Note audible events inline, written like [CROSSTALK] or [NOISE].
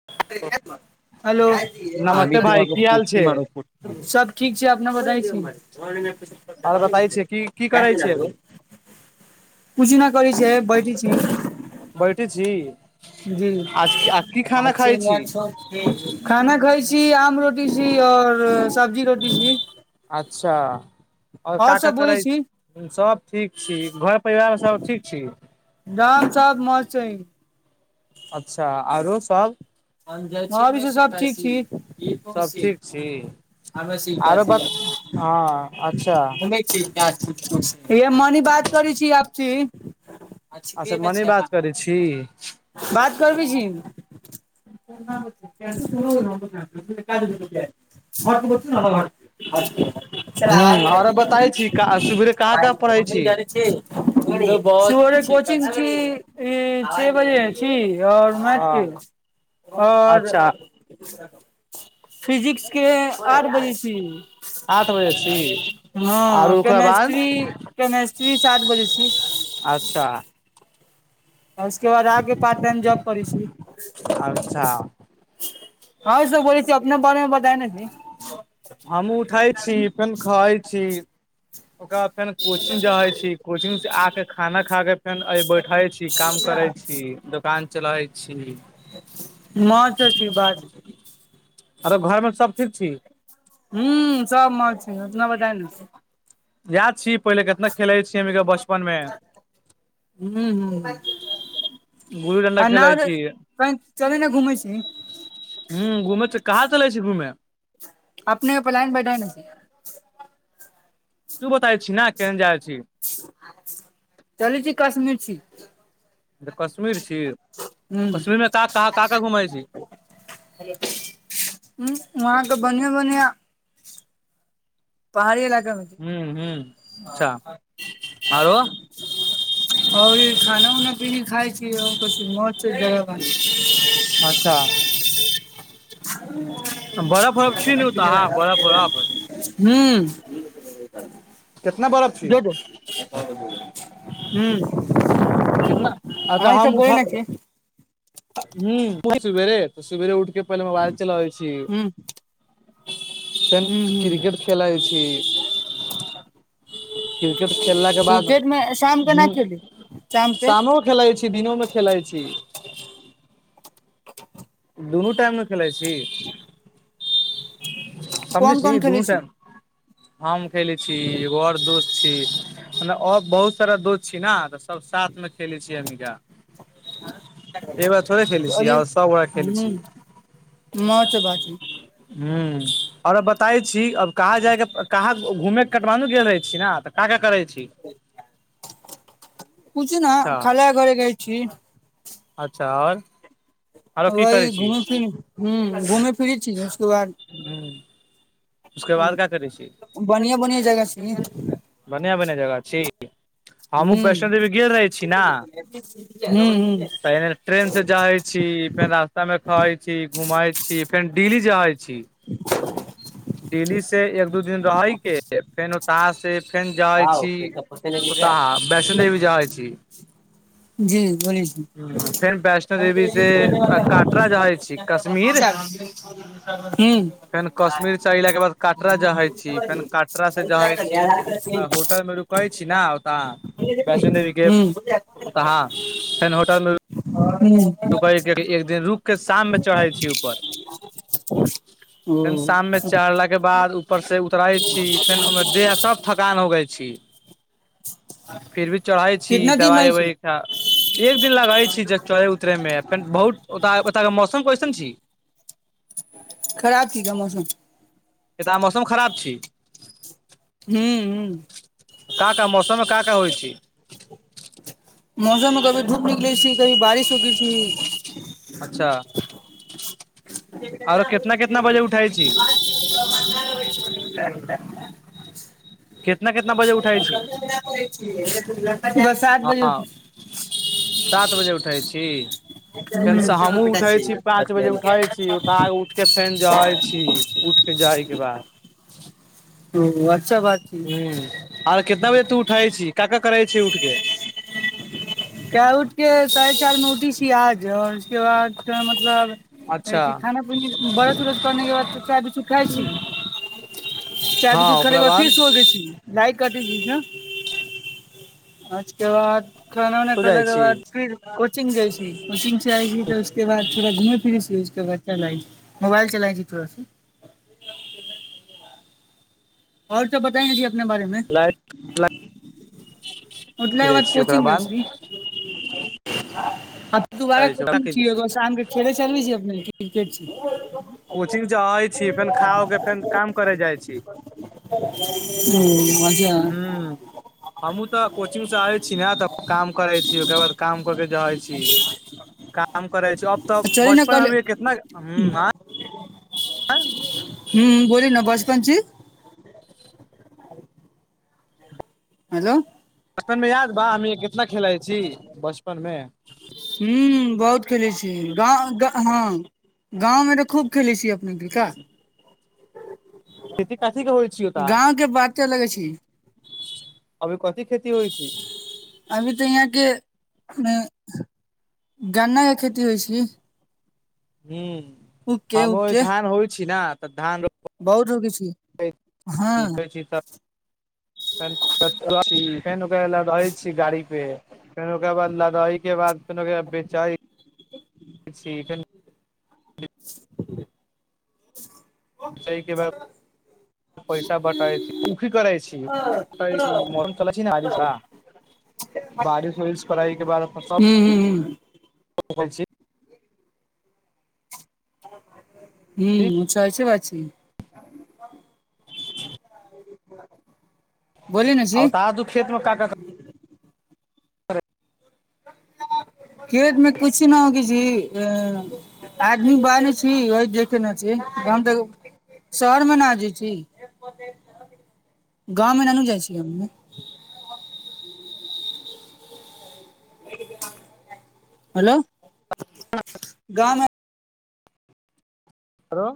[UNINTELLIGIBLE] hello नमस्ते भाय की हाल छै सब ठीक छै अपना बताइ [UNINTELLIGIBLE] कुछ आर बताय छै की की करै छै अभी नहि कर छै बैठी छी बैठे छी जी आज आ की खाना खाइ छी खाना घर सी आम रोटी सी और सब्जी रोटी सी अच्छा ओर काठ सब बोलै करै छी सब ठीक छी घर परिवार सब ठीक छी दाम सब मस्त छै अच्छा आरो सब जाइ छी ओर भी छै सब ठीक छी सब ठीक छी इहो आरो से बस हँ अच्छा मनी बात कर छी आबि छी अछ अच्छा एखन मे मने छै बात करै छी बात करबी छी [UNINTELLIGIBLE] ह आरो [UNINTELLIGIBLE] बताय छी सुबेरे कहाँ कहाँ पढ़ै छी [UNINTELLIGIBLE] कोचिंग छी ई छे बजे छी आओर मैच के हँ आओर अच्छा फिजिक्स के आठ बजै छी आठ बजे छी हँ आरो ओकरा बाद केमेस्ट्री केमेस्ट्री सात बजे छी अच्छा आ उसके बाद आगे पार्ट टाइम जॉब करी छी अच्छा हँ सब बोलै छी अपना बारे मे बताए न जी हमँ उठै छी फेर खाइ छी ओकरा फेर कोचिंग जाे छी कोचिंग आ के खाना खा के फेन बैठे छी काम करे छी छी दोकान चलाइ छी [UNINTELLIGIBLE] आरो घरमे सभ ठीक छी हू सब मन छै अपना बताइ न याद छीय पहिले कितना खेलै छियै हम के बचपन मे गुल्ली डंडा आ खेलै न कह चले ने घूमै छी हुँ घूमै छै कहाँ चलै छै घूमे अपने पलायन बैठा न तू बताै छि ने केहन जाय छी कश्मीरी छी तऽ कश्मीर छी हूं कश्मीरमे त का का घूमै छी हुँ वहाँके बढ़िआ बढ़िआ पहाड़ी इलाका मे हुँ हुँ अच्छा आरो आओर खाना उऊना पीनी खाय छीय बस मौज छै त ने ओतऽ अहाँ बरफ हूं त ज द हुं [INAUDIBLE] अहिं कितना ई सब बोलै नै छी हूं एजेंट सुबेरे, सुबेरे उठि के पहिले मोबाइल चलाबै छी हूं तखन हूं हूं क्रिकेट खेलाय छी क्रिकेट खेललाके बाद क्रिकेट मे शाम के ना ह खेली शाम के शामो खेलाइत छी दिनोमे खेलाइत छी दुनू टाइम मे खेलइ छी समझै कोन छी कोन दुनू खेलै टाइम हम खेले छी एगो आओर दोस्त छी मतलब आओर बहुत सारा दोस्त छी ने सब साथमे खेलै छियै अमिका एबार थोड़े खेलै छीयै कहलियै आउर सब गोरा खेलै छीयै मत बाजु हूं आओर बताय छी अब कहाँ जायके कहाँ घूमे के कटवानु गेल रहे ने तऽ का का करै छी पूछ ने अच्छा खाला घरे गइ छी अच्छा आओर आरो की करै वही छी घूमै फिरै छी हूं घूमै फिरै छीय उसके बाद हूँ उसके बाद का करै छी बढ़िआ बढ़िआ जगह छै ब बढ़िआँ जगह छी हमहुँ वैष्णो देवी गेल रहै छी न हुँ हुँ पहिने ट्रेन से जायत छी फेर रास्तामे खाय छी घुमैत छी फेर डेली जाहैत छी [INAUDIBLE] डेली से एक दू दिन रहैके फेर उता से फेर जाइ छी ह ह आ वैष्णो देवी जाय छी [INAUDIBLE] फेर वैष्णो देवी से काटरा जहै छी कश्मीर हूं फेन कश्मीर स एला के बाद कटरा जहै छी फेन कटरा से जाहै छी होटल मे रुक कहै छी ने ओतऽ वैष्णोदेवीके ओतऽह फेर होटल दुवैय कहै एक दिन रुक क शाममे चढ़ै छी ऊपर फेन शाममे चढ़लाके बाद ऊपर से उतरै छी फेन ओहिमे देह सब थकान होगई छी [INAUDIBLE] फिर भी चढ़ई छी कितना दिन दवाई रहै छै उबाई खा एक दिन लगई छी जब चढ़ै उतरेमे बहुत ओत के मौसम कैसन छी खराब छी का मौसम एतऽ मौसम खराब छी ह ह का का मौसम का का होइ छै मौसम मे कभी धूप निकलै छी कभी बारिश हो ग छी अच्छा आरो कितना होइ कितना बजे उठै छी छै हो [INAUDIBLE] [UNINTELLIGIBLE] कितना कितना बजे उठै छी सुबह सात हँ बजे सात बजे उठै छी फेन से हमहूँ उठै छी पाँच बजे उठै छी उतय उठ के फेन जैय छी उठके जायके बाद ओ वट हुँ आर कितना बजे तू उठै छी का का करै छी उठके क उठके साढे चार मे उठी छी आज और उसके बाद फेन मतलब अच्छा खाना पीना बरस उरस करने के बाद चाय बिस्कूट खाइ छी चाय हँ बिसकुत खाने ओकरा बाद फिर सो सोजाय छी लाइट कटी छि ने आज़ के बाद खाना उना जाइ खैलाक छी बाद फिर कोचिंग जाइ छि कोचिंग से आइछि तऽ उसके बाद थोड़ा घूमै फिरै छी उसके बाद चल आइ छि मोबाइल चला जाइ छि थोड़ा स [INAUDIBLE] आओर सब बताएंगे जी अपने बारे में लाइट उठला के फिरै बाद छी ओकरा कोचिंग जाय बाद छि त दुबारा कोचिंग छिय शाम के खेले चल भी छ अपने क्रिकेट छी कोचिंग स आईछी फेर खा उ के फेर काम करे जाइ छी हूं अच्छा हमहुूँ तऽ कोचिंग से आइछी ने तऽ काम करै छी ओकर बाद काम क के जब आइ छी काम करै छै अब तऽ चली ने बचपन कल मे कितना ह [UNINTELLIGIBLE] हूं बोली ने बचपन छी [INAUDIBLE] हेलो बचपन मे याद बा हम कितना खेलाइ छी बचपन मे गांव हँ गाँवमे तऽ खूब खेलैत छियै अपने ठीका खेती का चीज़ के होइ छीय ओ त कत्त लगै छि कथी खेती होइ छी अभी तऽ यहाँके मे गन्ना के खेती होइ छै हूं हमरा ओरी के धान होइ छी ने तऽ धान रो बहुत रूदी छी हँ छी तऽ फेन ओकरा ल क अबै छी गाड़ी पे फेन ओकरा बाद लगाइके बाद फेन ओकरा बेचाइ छी फेर [UNINTELLIGIBLE] तै के बाद पैसा बटाइ छी उखी करै छी मौसम चल छि ने आली बारिश होइ इसफरााइ के बाद फसल हूँ हूँ छी हूं चाय छै बाची [UNINTELLIGIBLE] बोली ने आ ओ छी त आ दू खेतमे का का क [INAUDIBLE] खेत मे कुछी न होखि छि आदमीक बानै छी ओहि देखे ने छी हम त शहरमे न आ जै छी गाँमे ननू जाइ छी हेलो गाममे हेलो